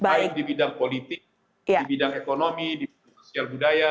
baik di bidang politik di bidang ekonomi di bidang sosial budaya